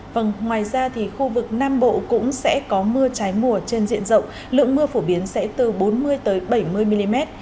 vâng ngoài ra thì khu vực nam bộ cũng sẽ có mưa trái mùa trên diện rộng lượng mưa phổ biến sẽ từ bốn mươi bảy mươi mm